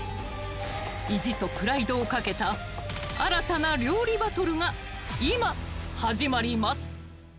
意地とプライドをかけた新たな料理バトルが今、始まります。